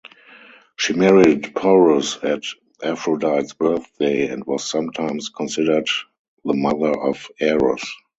She married Porus at Aphrodite's birthday and was sometimes considered the mother of Eros.